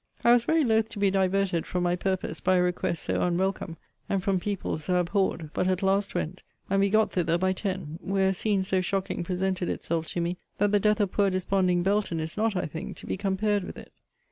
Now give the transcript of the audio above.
I was very loth to be diverted from my purpose by a request so unwelcome, and from people so abhorred; but at last went, and we got thither by ten; where a scene so shocking presented itself to me, that the death of poor desponding Belton is not, I think, to be compared with it.